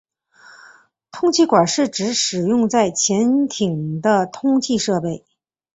通气管是指使用在潜艇的通气设备。